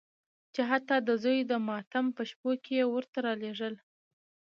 چې حتی د زوی د ماتم په شپو کې یې ورته رالېږل.